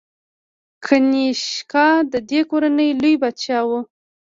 کنیشکا د دې کورنۍ لوی پاچا شو